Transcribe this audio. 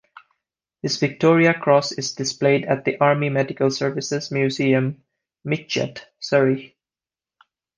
His Victoria Cross is displayed at the Army Medical Services Museum, Mytchett, Surrey.